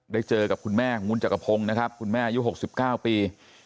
ได้เจอกับคุณแม่มุนจักรพงศ์นะครับคุณแม่ยุค๖๙ปี